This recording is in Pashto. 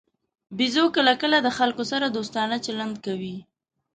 بیزو کله کله د خلکو سره دوستانه چلند کوي.